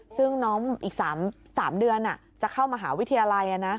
ซึ่งน้องอีก๓เดือนจะเข้ามหาวิทยาลัย